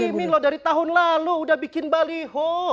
ini loh dari tahun lalu udah bikin baliho